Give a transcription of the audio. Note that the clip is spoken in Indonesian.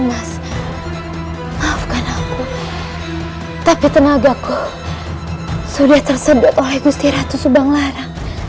mas maafkan aku tapi tenagaku sudah tersedot oleh gusti ratu subang lara